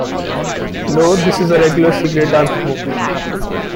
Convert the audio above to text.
"No, this is a regular cigarette I'm smoking".